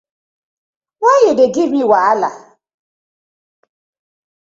Why you dey give me wahala?